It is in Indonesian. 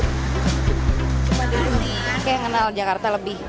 kayak kenal jakarta lebih